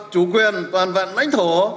chủ quyền toàn vạn lãnh thổ